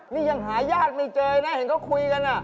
นี่ยังหาญาติไม่เจอนะเห็นเขาคุยกัน